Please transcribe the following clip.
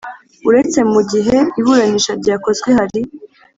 uretse mu gihe iburanisha ryakozwe hari